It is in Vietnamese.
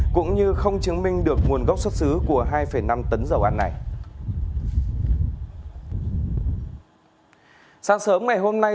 cũng như không chứng minh được nguồn gốc xuất xứ của hai năm tấn dầu ăn này